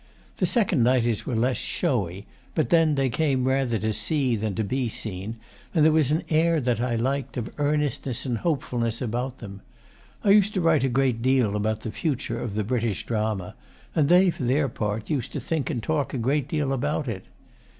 The second nighters were less 'showy'; but then, they came rather to see than to be seen, and there was an air, that I liked, of earnestness and hopefulness about them. I used to write a great deal about the future of the British drama, and they, for their part, used to think and talk a great deal about it.